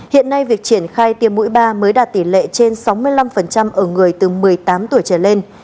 hiện nay việc triển khai tiêm mũi ba mới đạt tỷ lệ trên sáu mươi năm ở người từ một mươi tám tuổi trở lên